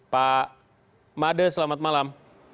pak made selamat malam